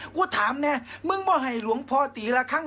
กูถามแน่มึงบอกให้หลวงพอตีระคัง